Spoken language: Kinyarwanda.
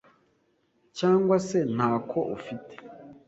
cyangwa se ntako ufite,